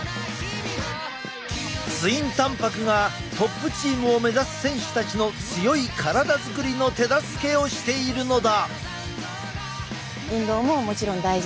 ツインたんぱくがトップチームを目指す選手たちの強い体作りの手助けをしているのだ。